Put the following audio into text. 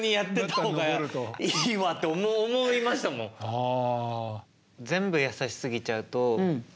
ああ。